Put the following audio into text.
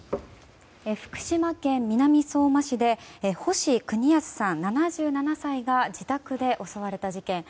福島県南相馬市で星邦康さん、７７歳が自宅で襲われた事件。